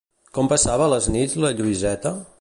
Com passava les nits la Lluïseta?